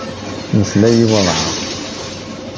Meslay i walebɛaḍ.